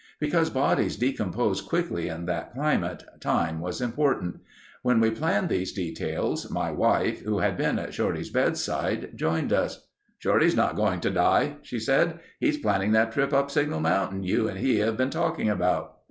Because bodies decompose quickly in that climate, time was important. While we planned these details, my wife, who had been at Shorty's bedside, joined us. "Shorty's not going to die," she said. "He's planning that trip up Signal Mountain you and he have been talking about."